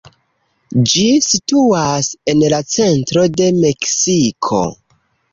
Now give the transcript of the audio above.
Ĝi situas en la centro de Meksiko.